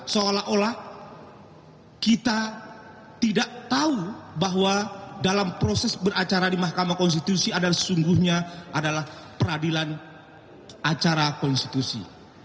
seolah olah kita tidak tahu bahwa dalam proses beracara di mahkamah konstitusi adalah sesungguhnya adalah peradilan acara konstitusi